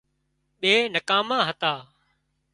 ٻي نڪاما هتا